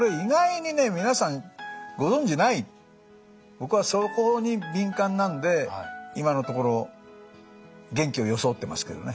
僕はそこに敏感なんで今のところ元気を装ってますけどね。